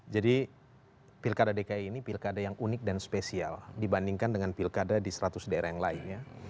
jadi pilkada dki ini pilkada yang unik dan spesial dibandingkan dengan pilkada di seratus daerah yang lain ya